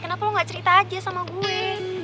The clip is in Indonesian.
kenapa lo gak cerita aja sama gue